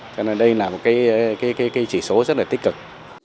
cho nên đây là một cái chỉ số rất là tích cực